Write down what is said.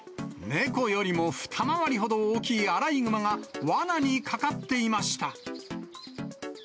猫よりも二回りほど大きいアライグマが、わなにかかっていました。